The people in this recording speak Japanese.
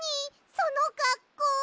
そのかっこう。